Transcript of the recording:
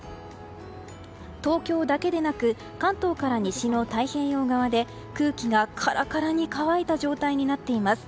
東京だけでなく関東から西の太平洋側で空気がカラカラに乾いた状態になっています。